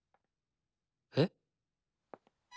えっ？